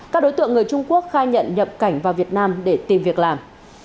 các đối tượng người trung quốc khai nhận nhập cảnh vào việt nam để tìm việc làm